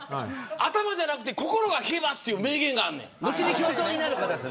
頭じゃなくて心は冷えますという名言があんねん。